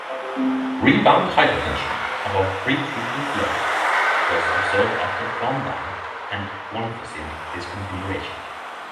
Rebound hypertension, above pre-treatment level, was observed after clonidine, and guanfacine discontinuation.